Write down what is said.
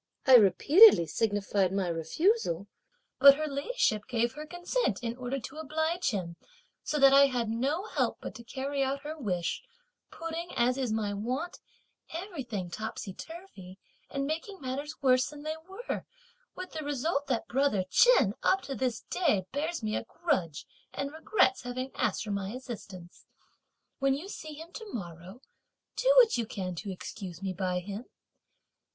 I repeatedly signified my refusal, but her ladyship gave her consent in order to oblige him, so that I had no help but to carry out her wish; putting, as is my wont, everything topsy turvey, and making matters worse than they were; with the result that brother Chen up to this day bears me a grudge and regrets having asked for my assistance. When you see him to morrow, do what you can to excuse me by him.